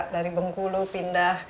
dari bengkulu pindah